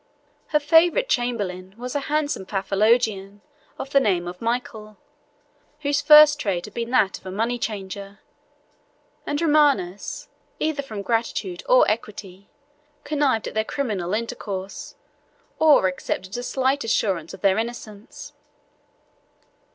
Her favorite chamberlain was a handsome Paphlagonian of the name of Michael, whose first trade had been that of a money changer; and Romanus, either from gratitude or equity, connived at their criminal intercourse, or accepted a slight assurance of their innocence.